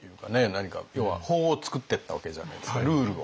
何か要は法を作ってったわけじゃないですかルールを。